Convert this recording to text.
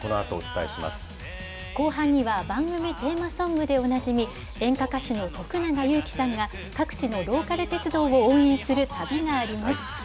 後半には、番組テーマソングでおなじみ、演歌歌手の徳永ゆうきさんが、各地のローカル鉄道を応援する旅があります。